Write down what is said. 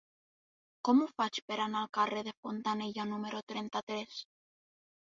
Com ho faig per anar al carrer de Fontanella número trenta-tres?